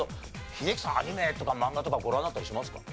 英樹さんアニメとか漫画とかご覧になったりしますか？